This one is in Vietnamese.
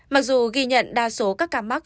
mặc dù ghi nhận đa số các ca mắc